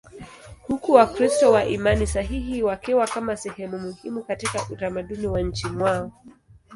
huku Wakristo wa imani sahihi wakiwa kama sehemu muhimu katika utamaduni wa nchini mwao.